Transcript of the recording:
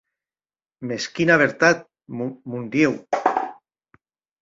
Mès quina vertat, mon Diu!